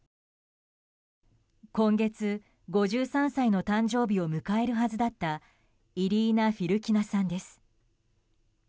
今月、５３歳の誕生日を迎えるはずだったイリーナ・フィルキナさんです。